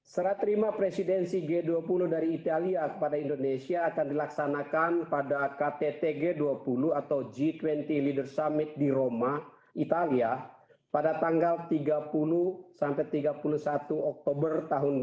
serat terima presidensi g dua puluh dari italia kepada indonesia akan dilaksanakan pada kttg dua puluh atau g dua puluh leader summit di roma italia pada tanggal tiga puluh sampai tiga puluh satu oktober dua ribu dua puluh